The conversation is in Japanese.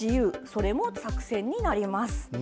それも作戦になります。